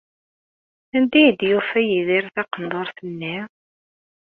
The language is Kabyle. Anda ay d-yufa Yidir taqendurt-nni?